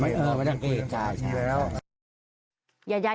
ไม่เออไม่ที่ฝั่งเทศใช่ใช่